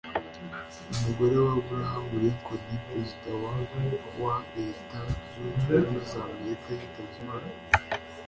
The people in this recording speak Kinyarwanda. umugore wa Abraham Lincoln perezida wa wa leta zunze ubumwe za Amerika yitabye Imana